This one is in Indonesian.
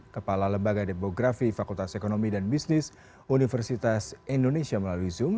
kepala lembaga demografi fakultas ekonomi dan bisnis universitas indonesia melalui zoom